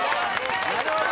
なるほど！